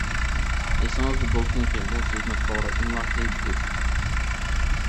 ئېسىڭىزدە بولسۇنكى بۇ سۆزنىڭ توغرا ئىملاسى «بۆشۈك» .